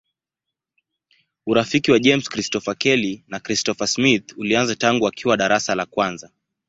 Urafiki wa James Christopher Kelly na Christopher Smith ulianza tangu wakiwa darasa la kwanza.